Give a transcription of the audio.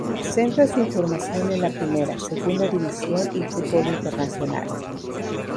Centra su información en la Primera, Segunda División y fútbol internacional.